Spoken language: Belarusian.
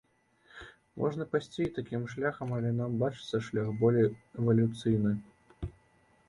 Можна пайсці і такім шляхам, але нам бачыцца шлях болей эвалюцыйны.